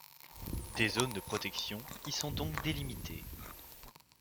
Des zones de protection y sont donc délimitées.